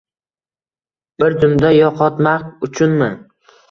Bir zumda yoʻqotmak uchunmi?